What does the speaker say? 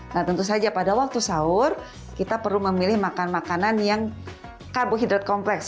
nah tentu saja pada waktu sahur kita perlu memilih makan makanan yang karbohidrat kompleks